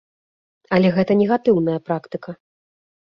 Але гэта негатыўная практыка.